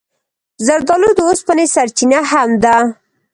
زردالو د اوسپنې سرچینه هم ده.